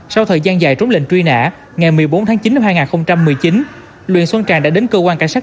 sau thời gian dài trống lệnh truy nã ngày một mươi bốn tháng chín năm hai nghìn một mươi chín luyện xuân càng đã đến cơ quan cảnh sát